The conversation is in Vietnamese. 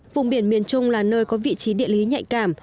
vùng biển miền trung là nơi có vị trí địa lý nhạy cảm